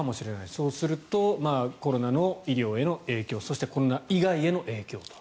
そうするとコロナの医療への影響そして、コロナ以外への影響と。